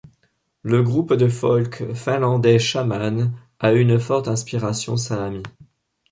Le groupe de folk finlandais Shaman a une forte inspiration saami.